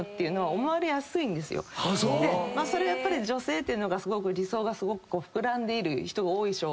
それはやっぱり女性っていうのが理想がすごく膨らんでいる人が多い証拠で。